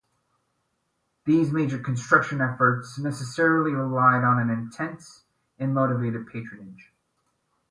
These major construction efforts necessarily relied on an intense and motivated patronage.